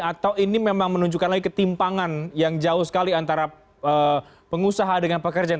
atau ini memang menunjukkan lagi ketimpangan yang jauh sekali antara pengusaha dengan pekerjaan